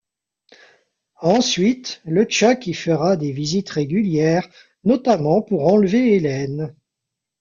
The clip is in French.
Ensuite, LeChuck y fera des visites régulières, notamment pour enlever Elaine.